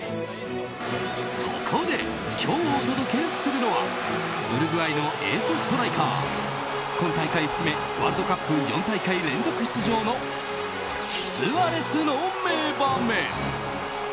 そこで今日お届けするのはウルグアイのエースストライカー今大会含めワールドカップ４大会連続出場のスアレスの名場面。